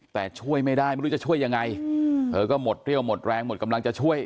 แต่ช่วยไม่ได้ไม่รู้จะช่วยยังไงเธอก็หมดเรี่ยวหมดแรงหมดกำลังจะช่วย